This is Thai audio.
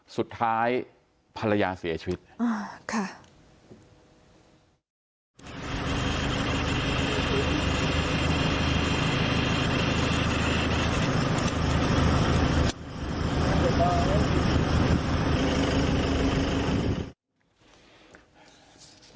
สุดท้ายภรรยาเสียชีวิตอ่าค่ะ